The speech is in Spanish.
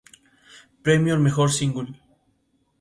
Premio al mejor single.